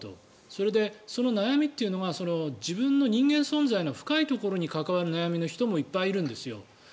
それで、その悩みというのが自分の人間存在の深いところに関わる人もいっぱいいるんですよ。